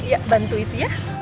ya bantu itu ya